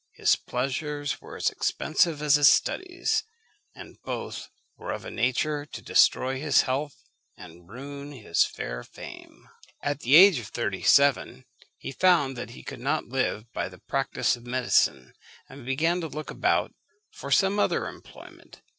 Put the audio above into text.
His pleasures were as expensive as his studies, and both were of a nature to destroy his health and ruin his fair fame. At the age of thirty seven he found that he could not live by the practice of medicine, and began to look about for some other employment.